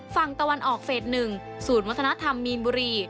ฝั่งตะวันออกเฟส๑ศูนย์วัฒนธรรมมีนบุรี